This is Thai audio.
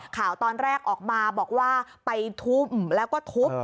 ข่าวตอนแรกออกมาบอกว่าไปทุ่มแล้วก็ทุบ